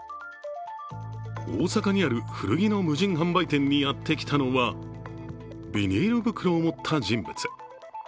大阪にある古着の無人販売店にやってきたのはビニール袋を持った人物。